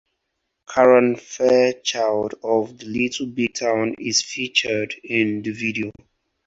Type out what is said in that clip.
Karen Fairchild of Little Big Town is featured in the video.